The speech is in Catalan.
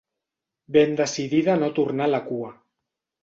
Ben decidida a no tornar a la cua.